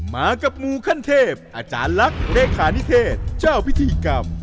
มากับมูขั้นเทพอาจารย์ลักษณ์เลขานิเทศเจ้าพิธีกรรม